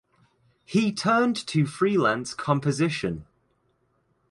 He turned to freelance composition.